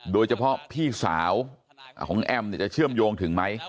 โดยเฉพาะพี่สาวของแอมจะเชื่อมโยงถึงไหม